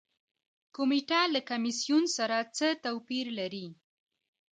کمیټه له کمیسیون سره څه توپیر لري؟